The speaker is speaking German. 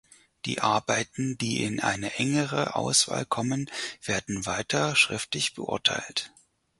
Die Arbeiten, die in eine engere Auswahl kommen, werden weiter schriftlich beurteilt.